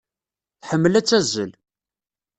Tḥemmel ad tazzel.